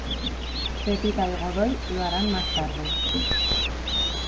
Pepita y Godoy lo harán más tarde.